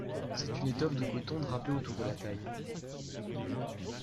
C'est une étoffe de coton drapée autour de la taille.